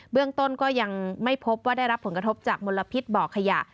เรื่องต้นก็ยังไม่พบว่าได้รับผลกระทบจากมลพิษบ่อขยะ